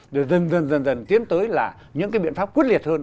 để dần dần dần dần tiến tới là những cái biện pháp quyết liệt hơn